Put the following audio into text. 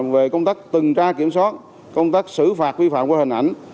về công tác từng tra kiểm soát công tác xử phạt vi phạm qua hình ảnh